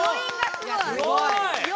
すごい！